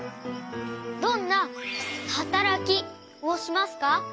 どんなはたらきをしますか？